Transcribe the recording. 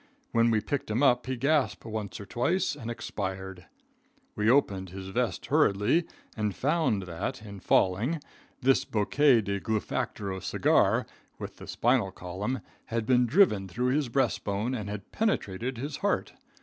When we picked him up he gasped once or twice and expired. We opened his vest hurriedly and found that, in falling, this bouquet de Gluefactoro cigar, with the spinal column, had been driven through his breast bone and had penetrated his heart.